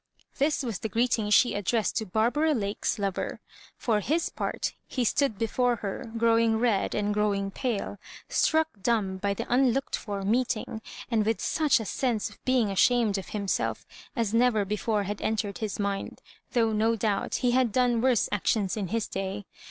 This was the greeting she addressed to Bar bara Lake's lover. For his part, he stood before her^ growing red and growing pale, struck dumb hy i he unlooked for meeting, and with such a sense of being ashamed of himself, as never be fore had entered his mind, though, no doubt, he had done worse actions in his day.